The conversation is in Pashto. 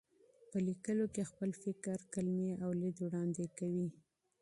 په لیکلو کې خپل فکر، کلمې او لید وړاندې کوي.